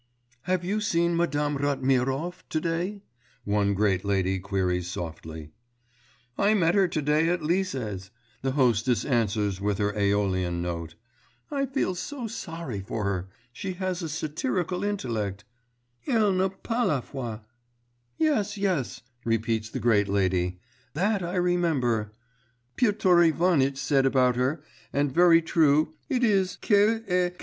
'Have you seen Madame Ratmirov to day?' one great lady queries softly. 'I met her to day at Lise's,' the hostess answers with her Æolian note. 'I feel so sorry for her.... She has a satirical intellect ... elle n'a pas la foi.' 'Yes, yes,' repeats the great lady ... 'that I remember, Piotr Ivanitch said about her, and very true it is, _qu'elle a